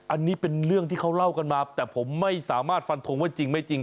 อันนี้เป็นเรื่องที่เขาเล่ากันมาแต่ผมไม่สามารถฟันทงว่าจริงไม่จริง